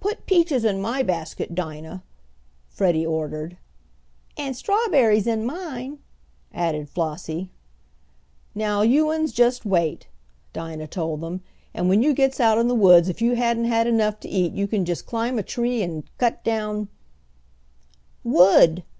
"Put peaches in my basket, Dinah," Freddie ordered. "And strawberries in mine," added Flossie. "Now, you uns jest wait!" Dinah told them; "and when you gets out in de woods if you hasn't 'nough to eat you kin jest climb a tree an' cut down " "Wood!"